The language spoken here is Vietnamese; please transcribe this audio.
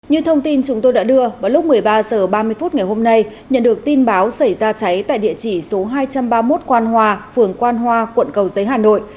như thông tin chúng tôi đã đưa vào lúc một mươi ba h ba mươi phút ngày hôm nay nhận được tin báo xảy ra cháy tại địa chỉ số hai trăm ba mươi một quan hòa phường quan hoa quận cầu giấy hà nội